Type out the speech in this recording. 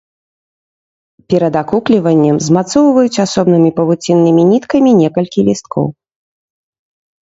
Перад акукліваннем змацоўваюць асобнымі павуціннымі ніткамі некалькі лісткоў.